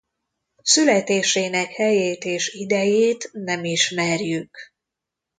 Születésének helyét és idejét nem ismerjük.